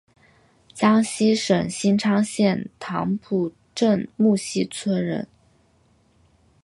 江西省新昌县棠浦镇沐溪村人。